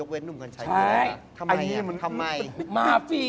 คุณม่านผมหล่ะคะ